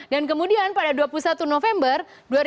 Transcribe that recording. dan kemudian pada dua puluh satu november dua ribu enam belas